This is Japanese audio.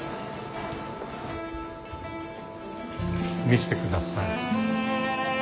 見してください。